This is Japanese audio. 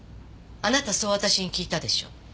あなたそう私に聞いたでしょ。